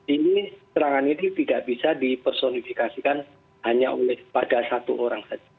ini serangan ini tidak bisa dipersonifikasikan hanya oleh pada satu orang saja